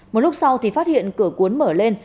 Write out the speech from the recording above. một lúc sau thì phát hiện cửa cuốn mở lên